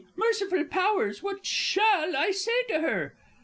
Merciful Powers, what shall I say to her?